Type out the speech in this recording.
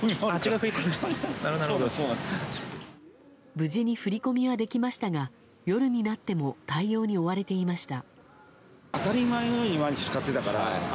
無事に振り込みはできましたが夜になっても対応に追われていました。